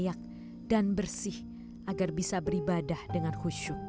bahkan salah satu mimpi sederhana sunardi adalah mempunyai rumah yang lain